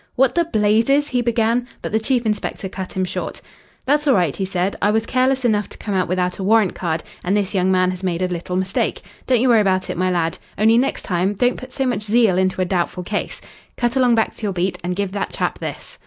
"What the blazes " he began, but the chief inspector cut him short. "That's all right," he said. "I was careless enough to come out without a warrant card, and this young man has made a little mistake. Don't you worry about it, my lad. Only, next time, don't put so much zeal into a doubtful case. Cut along back to your beat and give that chap this."